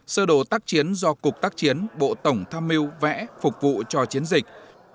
sơ đồ tác chiến do cục tác chiến bộ tổng tham mưu vẽ phục vụ cho chiến dịch